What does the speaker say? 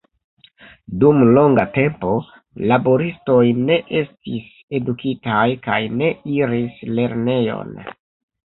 Dum longa tempo, laboristoj ne estis edukitaj kaj ne iris lernejon.